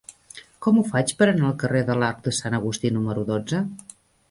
Com ho faig per anar al carrer de l'Arc de Sant Agustí número dotze?